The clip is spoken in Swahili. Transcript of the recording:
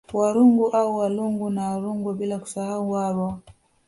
Warungu au Walungu na Warungwa bila kusahau Warwa